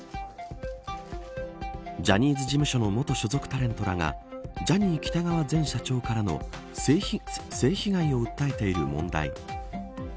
ジャニーズ事務所の元所属タレントらがジャニー喜多川前社長からの性被害を訴えている問題。